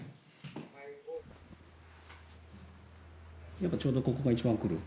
やっぱちょうどここが一番くる？